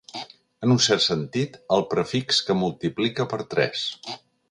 En un cert sentit, el prefix que multiplica per tres.